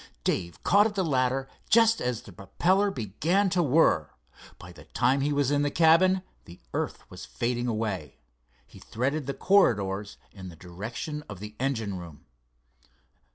Dave caught at the ladder just as the propeller began to whir. By the time he was in the cabin the earth was fading away. He threaded the corridors in the direction of the engine room.